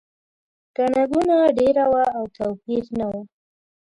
ګڼه ګوڼه ډېره وه او توپیر نه و.